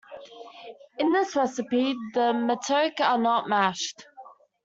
In this recipe, the "matoke" are not mashed.